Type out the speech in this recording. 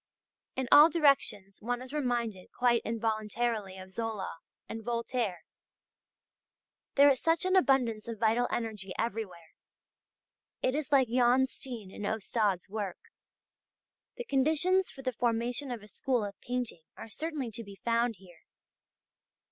In all directions one is reminded quite involuntarily of Zola and Voltaire. There is such an abundance of vital energy everywhere. It is like Jan Steen and Ostade's work. The conditions for the formation of a school of painting are certainly to be found here.